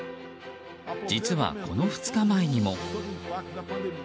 実は、この２日前にも。